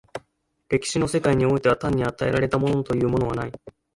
歴史の世界においては単に与えられたものというものはない。